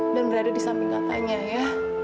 dan berada di samping katanya ya